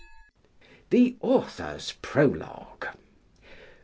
The Author's Prologue.